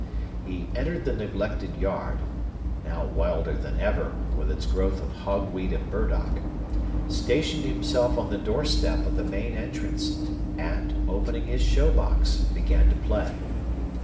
He entered the neglected yard (now wilder than ever, with its growth of hog weed and burdock), stationed himself on the doorstep of the main entrance, and, opening his show box, began to play.